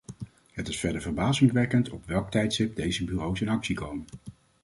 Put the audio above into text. Het is verder verbazingwekkend op welk tijdstip deze bureaus in actie komen.